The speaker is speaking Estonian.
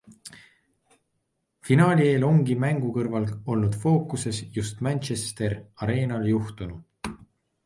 Finaali eel ongi mängu kõrval olnud fookuses just Manchester Arenal juhtunu.